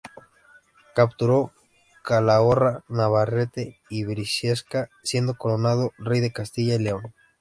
Capturó Calahorra, Navarrete y Briviesca, siendo coronado rey de Castilla y León.